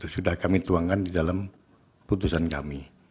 sudah kami tuangkan di dalam putusan kami